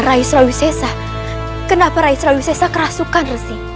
raih sriwisesta kenapa raih sriwisesta kerasukan resi